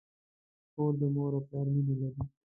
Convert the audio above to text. کور د مور او پلار مینه لري.